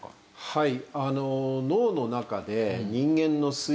はい。